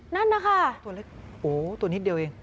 นั่นนะคะตัวนี้เดียวเอง